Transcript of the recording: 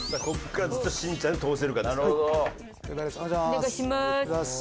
ここからずっとしんちゃんで通せるかですから。